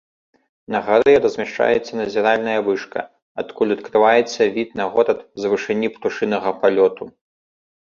На гары размяшчаецца назіральная вышка, адкуль адкрываецца від на горад з вышыні птушынага палёту.